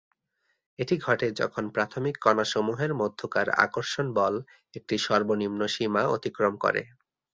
এটি ঘটে যখন প্রাথমিক কণাসমূহের মধ্যকার আকর্ষণ বল একটি সর্বনিম্ন সীমা অতিক্রম করে।